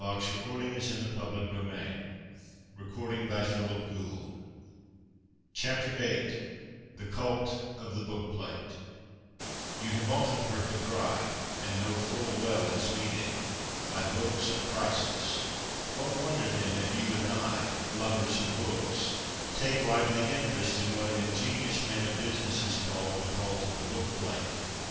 VIII ' THE CULT OF THE BOOKPLATE ' VIII ' THE CULT OF THE BOOKPLATE ' You have often heard the cry, and know full well its meaning, ' My books are priceless.' VTiat wonder, then, if you and I — lovers of books — take lively interest in what an ingenuous man of business has called ' The Cult of the Bookplate.'